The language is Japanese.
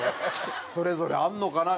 それぞれあるのかな？